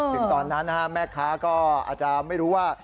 ถึงตอนนั้นแม่ค้าก็อาจจะไม่รู้ว่า